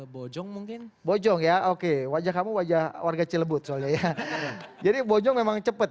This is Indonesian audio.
bojong mungkin bojong ya oke wajah kamu wajah warga cilebut soalnya ya jadi bojong memang cepet